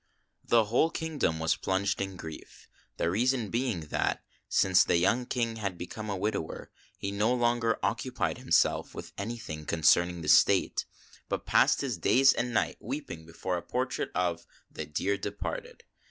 ¥ T HE whole kingdom was plunged in grief, the reason being that, since the young King had become a widower, he no longer occupied himself with anything concerning the state, but passed his days and nights weeping before a portrait of the " dear departed."